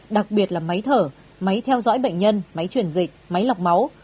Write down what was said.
đặc biệt là máy thở máy theo dõi bệnh nhân máy chuyển dịch máy lọc máu